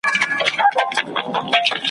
ما په کړوپه ملا کړه ځان ته د توبې دروازه بنده ,